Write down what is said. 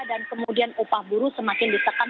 dan kemudian upah buru semakin ditekan